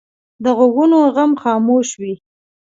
د غوږونو غم خاموش وي